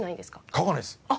書かないです。